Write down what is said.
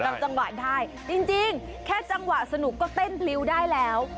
จังหวะได้จริงแค่จังหวะสนุกก็เต้นพลิ้วได้แล้ว